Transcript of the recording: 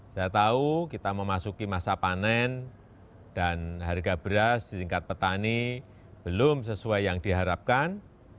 saya tahu kita memasuki masa panen dan harga beras di tingkat petani belum sesuai yang diharapkan